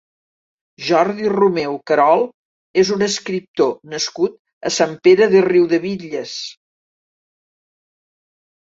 Jordi Romeu Carol és un escriptor nascut a Sant Pere de Riudebitlles.